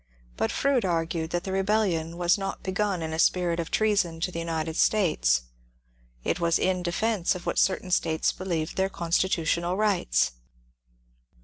But Froude argued that the rebellion was not begun in a spirit of treason to the United States. It was in defence of what certain States believed their constitutional rights.